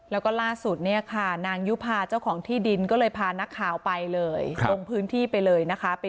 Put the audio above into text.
แล้วก็ล่าสุดเนี้ยค่ะนางยุภาเจ้าของที่ดินก็เลยพานักข่าวไปเลย